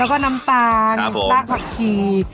แล้วก็น้ำตาลซากผักชี